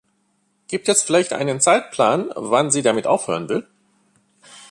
Gibt es vielleicht einen Zeitplan, wann sie damit aufhören will?